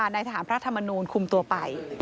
ในทหารพระธรรมนูลคุมตัวไป